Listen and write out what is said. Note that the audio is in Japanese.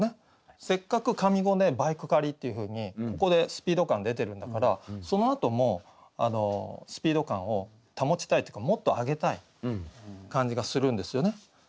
せっかく上五で「バイク駆り」っていうふうにここでスピード感出てるんだからそのあともスピード感を保ちたいっていうかもっと上げたい感じがするんですよね。